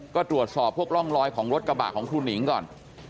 ก็ตรวจสอบพวกร่องรอยของรถกระบะของครูหนิงก่อน